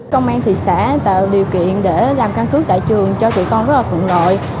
công an thị xã tạo điều kiện để làm căn cức tại trường cho tụi con rất là phận lợi